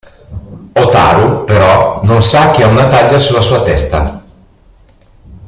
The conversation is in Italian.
Hotaru, però, non sa che ha una taglia sulla sua testa.